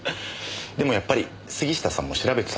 でもやっぱり杉下さんも調べてたんですね。